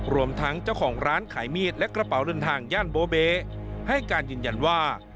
รวมทั้งเจ้าของร้านขายมีดและกระเป๋าเดินทางย่านโบเบ๊ให้การยืนยันว่า